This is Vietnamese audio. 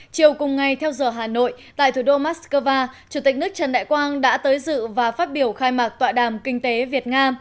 chiều cùng ngày theo giờ hà nội tại thủ đô moscow chủ tịch nước trần đại quang đã tới dự và phát biểu khai mạc tọa đàm kinh tế việt nga